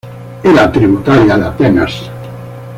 Era tributaria de Atenas.